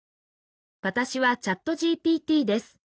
私はＣｈａｔＧＰＴです。